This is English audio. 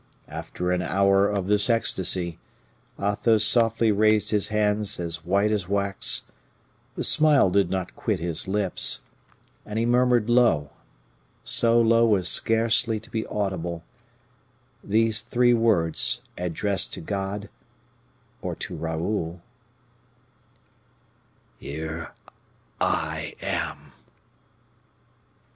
After an hour of this ecstasy, Athos softly raised his hands as white as wax; the smile did not quit his lips, and he murmured low, so low as scarcely to be audible, these three words addressed to God or to Raoul: "HERE I AM!"